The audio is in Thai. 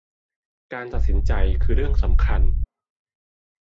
การตัดสินใจคือเรื่องสำคัญ